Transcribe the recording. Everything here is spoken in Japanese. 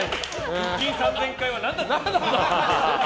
腹筋３０００回は何だったんですか。